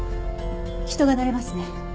人が乗れますね。